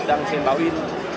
đăng trên báo in